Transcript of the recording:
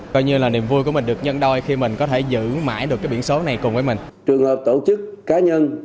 coi như là niềm vui của mình được nhân đôi khi mình có thể giữ mãi được cái biển số này cùng với mình